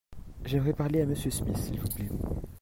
J'aimerais parler à M. Smith s'il vous plait.